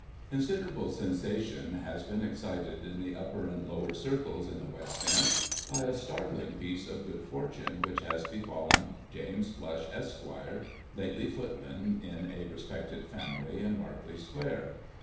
Considerable sensation has been excited in the upper and lower circles in the West End, by a startling piece of good fortune which has befallen jAMES Plush Esq., lately foot man in a respected family in Berkeley Square.